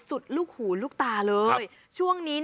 สุดยอดน้ำมันเครื่องจากญี่ปุ่น